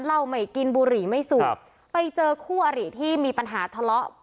เหล้าไม่กินบุหรี่ไม่สูบไปเจอคู่อริที่มีปัญหาทะเลาะ